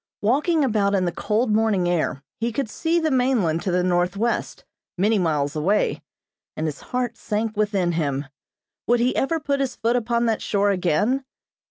Walking about in the cold morning air, he could see the mainland to the northwest, many miles away, and his heart sank within him. Would he ever put his foot upon that shore again?